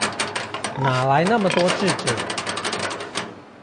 哪來那麼多智者